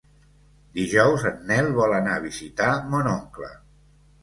Dijous en Nel vol anar a visitar mon oncle.